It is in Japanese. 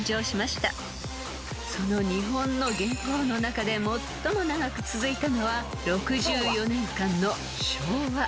［その日本の元号の中で最も長く続いたのは６４年間の昭和］